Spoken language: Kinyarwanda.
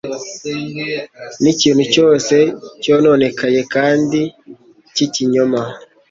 n'ikintu cyose cyononekaye kandi cy'ikinyoma.